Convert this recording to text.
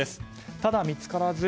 ただ、見つからず。